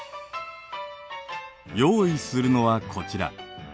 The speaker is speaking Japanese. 用意するのはこちら。